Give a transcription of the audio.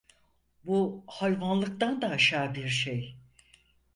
Bu, hayvanlıktan da aşağı bir şey…